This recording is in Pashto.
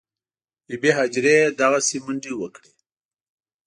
بي بي هاجرې دغسې منډې وکړې.